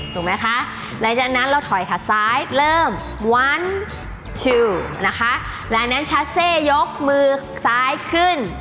ถูกไหมคะหลังจากนั้นเราถอยขัดซ้ายเริ่มวันชิวนะคะหลังจากนั้นชัสเซ่ยกมือซ้ายขึ้น